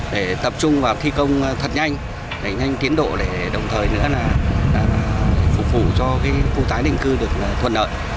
để tập trung vào thi công thật nhanh nhanh tiến độ để đồng thời nữa là phục vụ cho cái khu tái định cư được thuận nợ